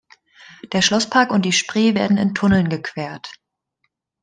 Der Schlosspark und die Spree werden in Tunneln gequert.